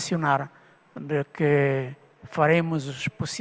dan yang akan kita lakukan